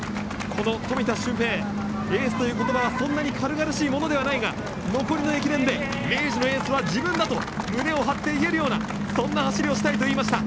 この富田峻平エースという言葉はそんなに軽々しいものではないが残りの駅伝で明治のエースは自分だと胸を張って言えるようなそんな走りをしたいと言いました。